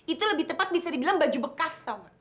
itu lebih tepat bisa dibilang baju bekas tau gak